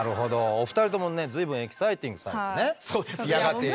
お二人ともね随分エキサイティングされてね嫌がっておられる。